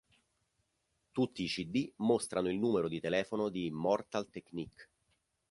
Tutti i cd mostrano il numero di telefono di Immortal Technique.